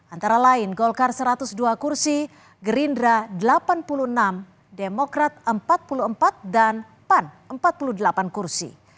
antara lain golkar satu ratus dua kursi gerindra delapan puluh enam demokrat empat puluh empat dan pan empat puluh delapan kursi